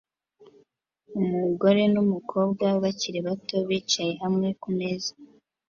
Umugore numukobwa bakiri bato bicaye hamwe kumeza